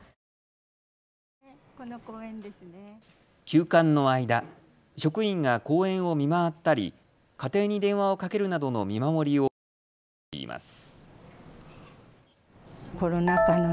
休館の間、職員が公園を見回ったり家庭に電話をかけるなどの見守りを続けたといいます。